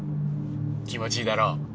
気持ちいいだろう？